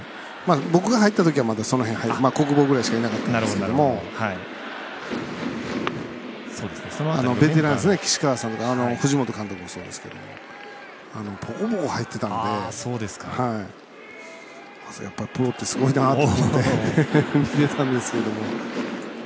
僕が入ったときは小久保ぐらいしかいなかったですけどもベテラン岸川さんとか藤本監督もそうですけどボコボコ入ってたんでやっぱりプロってすごいなって見てたんですけど。